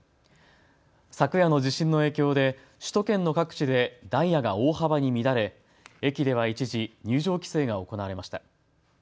昨夜の地震の影響で首都圏の各地でダイヤが大幅に乱れ駅では一時、入場規制が行われました。